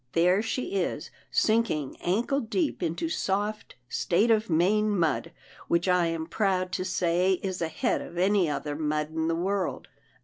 " There she is sinking ankle deep into soft State of Maine mud, which I am proud to say is ahead of any other mud in the world.